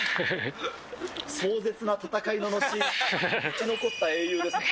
壮絶な戦いののち、生き残った英雄ですね。